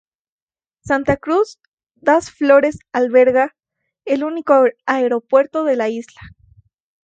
Santa Cruz das Flores alberga el único aeropuerto de la isla.